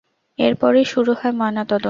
এরপরই শুরু হয় ময়নাতদন্ত।